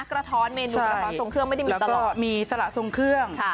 กระท้อนเมนูกระท้อนทรงเครื่องไม่ได้มีตลอดมีสละทรงเครื่อง